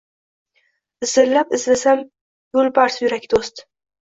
Izillab izlasam yo’lbarsyurak doʼst